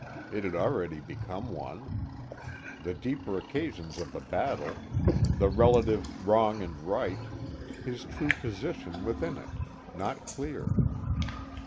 It had already become one. The deeper occasions of the battle, the relative wrong and right, his true position within it, not clear.